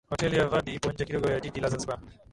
Hoteli ya Verde ipo nje kidogo ya Jiji la Zanzibar